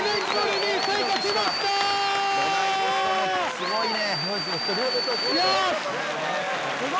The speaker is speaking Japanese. すごいね！